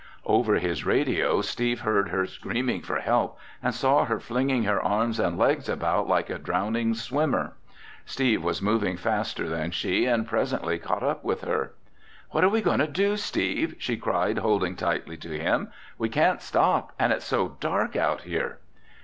Over his radio, Steve heard her screaming for help and saw her flinging her arms and legs about like a drowning swimmer. Steve was moving faster than she and presently caught up with her. "What are we going to do, Steve?" she cried, holding tightly to him. "We can't stop! And it's so dark out here!"